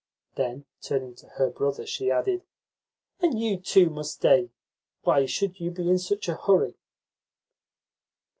Then, turning to her brother, she added: "And you too must stay. Why should you be in such a hurry?"